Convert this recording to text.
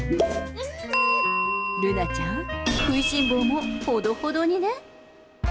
ルナちゃん、食いしん坊もほどほどにね。